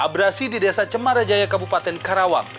abrasi di desa cemarajaya kabupaten karawang